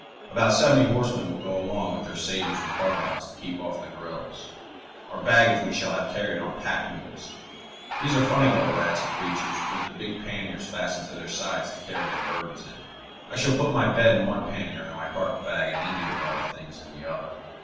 About seventy horsemen will go along with their sabers and carbines to keep off the guerillas. Our baggage we shall have carried on pack mules. These are funny little rats of creatures, with the big panniers fastened to their sides to carry their burdens in. I shall put my bed in one pannier and my carpet bag and India rubber things in the other.